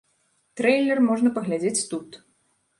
Трэйлер можна паглядзець тут.